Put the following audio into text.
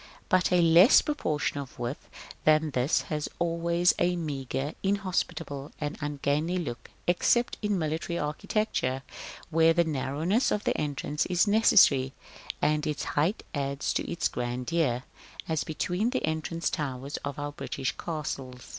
But a less proportion of width than this has always a meagre, inhospitable, and ungainly look except in military architecture, where the narrowness of the entrance is necessary, and its height adds to its grandeur, as between the entrance towers of our British castles.